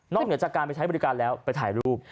เหนือจากการไปใช้บริการแล้วไปถ่ายรูป